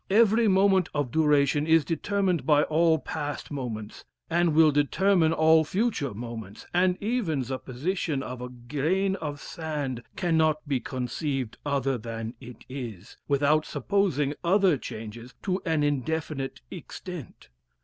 Every moment of duration is determined by all past moments, and will determine all future movements, and even the position of a grain of sand cannot be conceived other than it is, without supposing other changes to an indefinite extent.